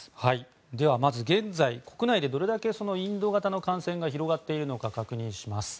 では、まず、現在国内でどれだけインド型の感染が広がっているのか確認します。